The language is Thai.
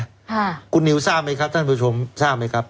ค่ะคุณนิวทราบไหมครับท่านผู้ชมทราบไหมครับ